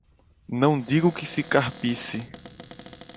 Não digo que se carpisse